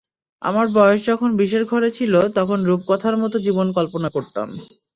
আমার বয়স যখন বিশের ঘরে ছিল, তখন রূপকথার মতো জীবন কল্পনা করতাম।